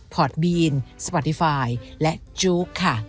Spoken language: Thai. พอร์ตบีนสปอร์ติฟายและจุ๊กค่ะ